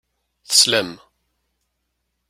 Teslam.